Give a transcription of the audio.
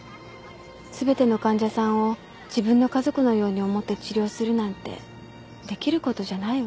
すべての患者さんを自分の家族のように思って治療するなんてできることじゃないわ。